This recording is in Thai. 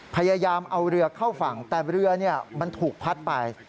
พยายามเอาเรือเข้าฝั่งแต่เรือมันถูกพัดไป